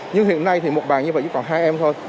nhưng hiện nay thì một bàn như vậy chỉ còn hai em thôi